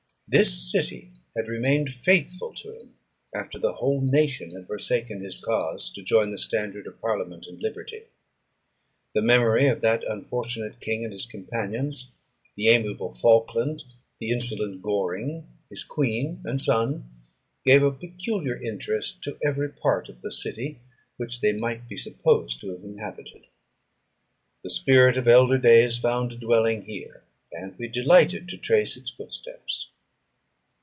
This city had remained faithful to him, after the whole nation had forsaken his cause to join the standard of parliament and liberty. The memory of that unfortunate king, and his companions, the amiable Falkland, the insolent Goring, his queen, and son, gave a peculiar interest to every part of the city, which they might be supposed to have inhabited. The spirit of elder days found a dwelling here, and we delighted to trace its footsteps.